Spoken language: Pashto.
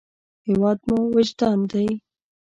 هېواد مو وجدان دی